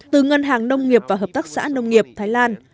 từ ngân hàng nông nghiệp và hợp tác xã nông nghiệp thái lan